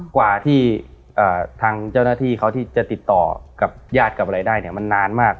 กว่าที่ทางเจ้าหน้าที่เขาที่จะติดต่อกับญาติกับอะไรได้เนี่ยมันนานมาก